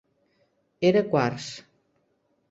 Era quars.